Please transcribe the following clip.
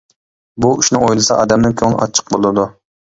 بۇ ئىشنى ئويلىسا ئادەمنىڭ كۆڭلى ئاچچىق بولىدۇ.